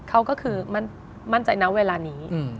เขาก็คือมั่นใจนะเวลานี้